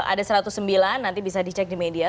ada satu ratus sembilan nanti bisa dicek di media